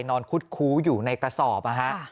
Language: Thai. นอนคุดคู้อยู่ในกระสอบ